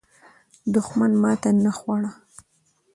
دښمن ماته نه خوړه.